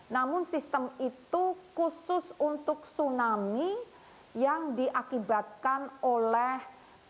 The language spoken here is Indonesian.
namun sistem itu khusus untuk tsunami yang diakibatkan oleh